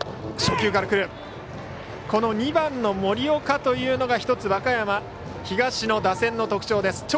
この２番の森岡というのが１つ和歌山東の打線の特徴です。